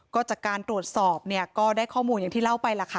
ก็จากการตรวจสอบเนี่ยก็ได้ข้อมูลอย่างที่เล่าไปล่ะค่ะ